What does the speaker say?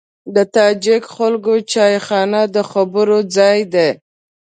د تاجک خلکو چایخانه د خبرو ځای دی.